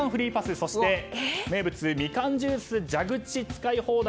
そして名物ミカンジュース蛇口使い放題。